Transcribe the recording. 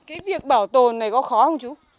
cái việc bảo tồn này có khó không chú